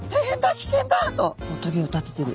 危険だ！」とこう棘を立ててる。